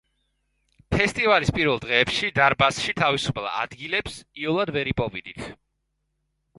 ფესტივალის პირველ დღეებში, დარბაზში თავისუფალ ადგილებს იოლად ვერ იპოვიდით.